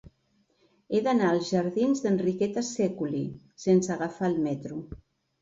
He d'anar als jardins d'Enriqueta Sèculi sense agafar el metro.